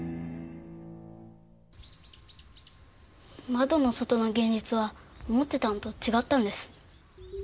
窓の外の現実は思ってたのと違ったんです。